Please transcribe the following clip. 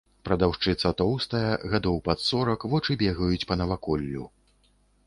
Прадаўшчыца тоўстая, гадоў пад сорак, вочы бегаюць па наваколлю.